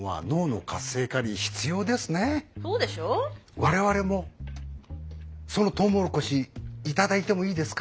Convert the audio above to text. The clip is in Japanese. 我々もそのとうもろこし頂いてもいいですか？